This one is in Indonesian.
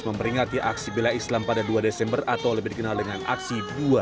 memperingati aksi bela islam pada dua desember atau lebih dikenal dengan aksi dua ratus dua belas